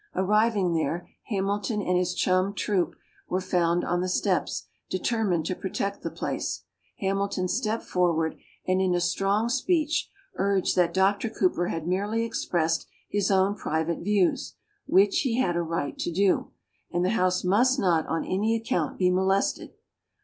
Arriving there, Hamilton and his chum Troup were found on the steps, determined to protect the place. Hamilton stepped forward, and in a strong speech urged that Doctor Cooper had merely expressed his own private views, which he had a right to do, and the house must not on any account be molested.